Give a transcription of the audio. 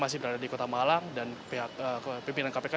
masih berada di kota malang dan pihak pimpinan kpk